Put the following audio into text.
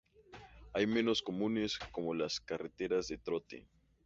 Hay menos comunes, como las carreras de trote.